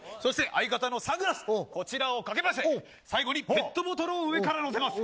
相方のサングラスをかけまして最後にペットボトルを上から載せます。